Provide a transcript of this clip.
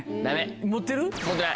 持ってる？